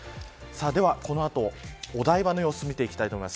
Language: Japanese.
では、この後お台場の様子を見ていきたいと思います。